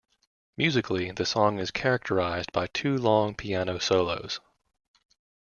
Musically, the song is characterized by two long piano solos.